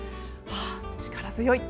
力強い。